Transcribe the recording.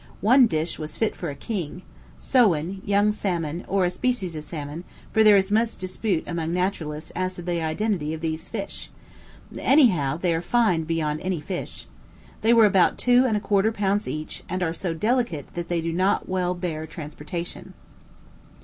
One dish was fit for a king sewen, young salmon, or a species of salmon, for there is much dispute among naturalists as to the identity of these fish. Any how, they are fine beyond any fish. They were about two and a quarter pounds each, and are so delicate that they do not well bear transportation.